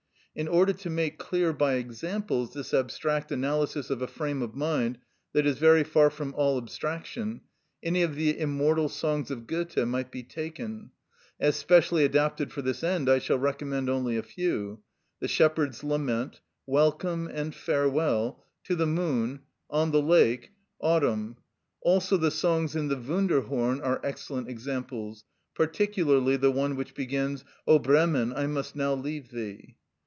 In order to make clear by examples this abstract analysis of a frame of mind that is very far from all abstraction, any of the immortal songs of Goethe may be taken. As specially adapted for this end I shall recommend only a few: "The Shepherd's Lament," "Welcome and Farewell," "To the Moon," "On the Lake," "Autumn;" also the songs in the "Wunderhorn" are excellent examples; particularly the one which begins, "O Bremen, I must now leave thee."